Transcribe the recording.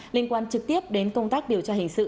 liên quan trực tiếp đến công tác điều tra hình sự